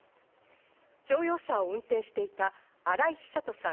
乗用車を運転していた荒井久登さん